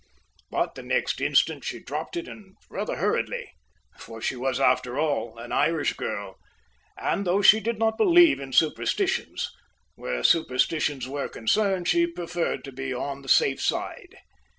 But the next instant she dropped it and rather hurriedly. For she was after all an Irish girl, and though she did not believe in superstitions, where superstitions were concerned she preferred to be on the safe side.